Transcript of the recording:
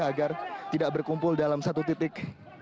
agar tidak berkumpul dalam satu titik